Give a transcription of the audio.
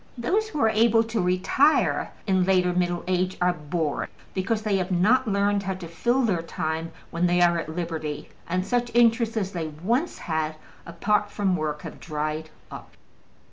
Those who are able to retire in later middle age are bored, because they have not learned how to fill their time when they are at liberty, and such interests as they once had apart from work have dried up.